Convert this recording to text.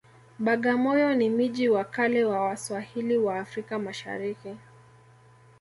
bagamoyo ni miji wa kale wa waswahili wa africa mashariki